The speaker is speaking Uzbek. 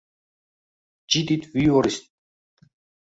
Jidit Viorst